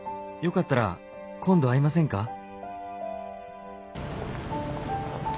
「よかったら今度会いませんか？」